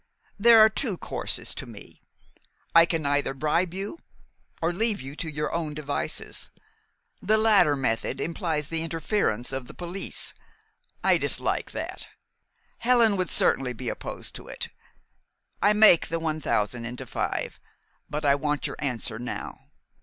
There are two courses to me. I can either bribe you, or leave you to your own devices. The latter method implies the interference of the police. I dislike that. Helen would certainly be opposed to it. I make the one thousand into five; but I want your answer now."